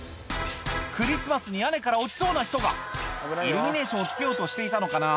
クリスマスに屋根から落ちそうな人がイルミネーションを付けようとしていたのかな？